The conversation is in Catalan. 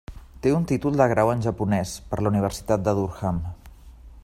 Té un títol de Grau en japonès, per la Universitat de Durham.